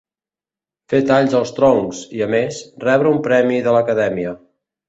Fer talls als troncs i, a més, rebre un premi de l'Acadèmia.